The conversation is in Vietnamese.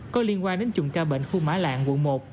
có liên quan đến chùm ca bệnh khu mã lạng quận một